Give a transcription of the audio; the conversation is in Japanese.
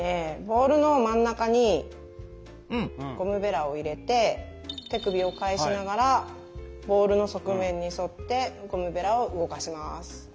ボウルの真ん中にゴムベラを入れて手首を返しながらボウルの側面に沿ってゴムベラを動かします。